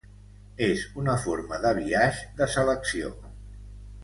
És una forma de biaix de selecció.